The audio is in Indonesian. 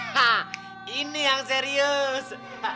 hah ini yang serius